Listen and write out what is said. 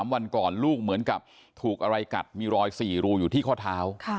วันก่อนลูกเหมือนกับถูกอะไรกัดมีรอย๔รูอยู่ที่ข้อเท้า